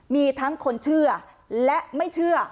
มีทั้งคนเชื่อและไม่เชื่อ